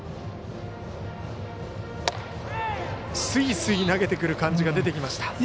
すいすい投げてくる感じが出てきました。